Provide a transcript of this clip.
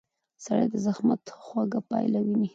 سړی د زحمت خوږه پایله ویني